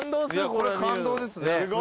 これ感動ですね。